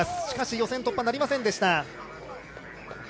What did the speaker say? しかし予選突破はなりませんでした。